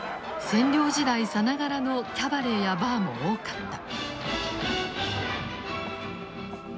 占領時代さながらのキャバレーやバーも多かった。